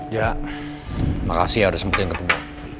ya makasih ya udah sempet yang ketemu